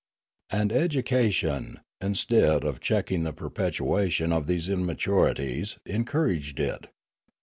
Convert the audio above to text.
And education, instead of checking the perpetuation of these immaturities, encouraged it.